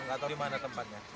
nggak tahu di mana tempatnya